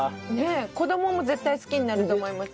子供も絶対好きになると思います。